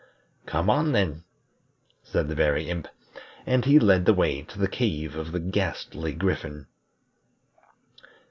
"Come on, then," said the Very Imp, and he led the way to the cave of the Ghastly Griffin.